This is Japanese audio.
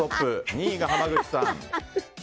２位が濱口さん。